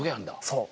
そう。